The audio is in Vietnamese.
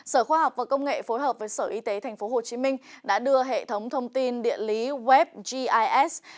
sở khoa học và công nghệ phối hợp với sở y tế tp hcm đã đưa hệ thống thông tin địa lý web gis